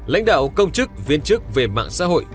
lãnh đạo công chức viên chức về mạng xã hội